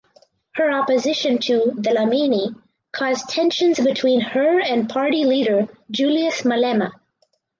Her opposition to Dlamini caused tensions between her and party leader Julius Malema.